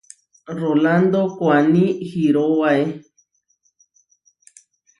Rolando koʼáni hirówae.